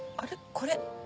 これ。